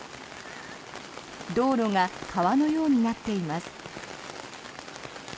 道路が川のようになっています。